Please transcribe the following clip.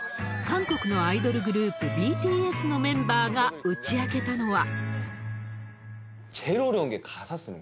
韓国のアイドルグループ、ＢＴＳのメンバーが打ち明けたのは。